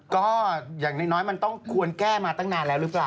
ก็อย่างน้อยมันต้องควรแก้มาตั้งนานแล้วหรือเปล่า